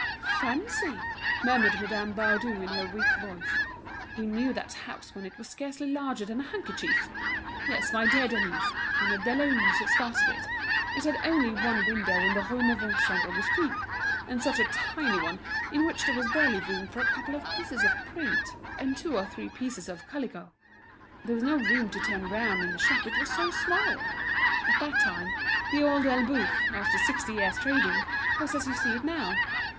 "Fancy," murmured Madame Baudu in her weak voice, "we knew that house when it was scarcely larger than a handkerchief! Yes, my dear Denise, when the Deleuzes started it, it had only one window in the Rue Neuve Saint Augustin; and such a tiny one, in which there was barely room for a couple of pieces of print and two or three pieces of calico. There was no room to turn round in the shop, it was so small. At that time The Old Elbeuf, after sixty years' trading, was as you see it now.